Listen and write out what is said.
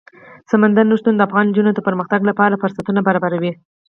سمندر نه شتون د افغان نجونو د پرمختګ لپاره فرصتونه برابروي.